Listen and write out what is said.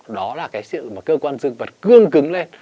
đó là sự cơ quan dương vật cương cứng lên